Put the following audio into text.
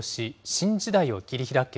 新時代を切り開け！